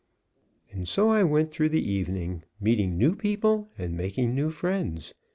And so I went through the evening, meeting new people and making new friends.